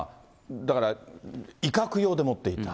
だから威嚇用で持っていた。